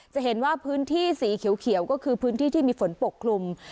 จะเห็นว่าพื้นที่สีเขียวก็คือพื้นที่ที่มีฝนปกคลุม